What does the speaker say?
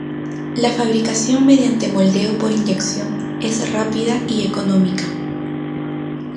La fabricación mediante moldeo por inyección es rápida y económica.